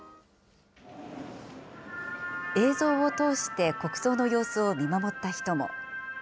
映像を通して国葬の様子を見守った人も。